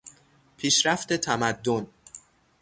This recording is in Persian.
پیشرفت تمدن